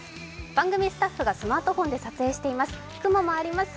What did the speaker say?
番組スタッフがスマートフォンで撮影してます。